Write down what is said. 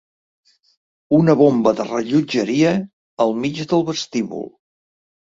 Una bomba de rellotgeria al mig del vestíbul.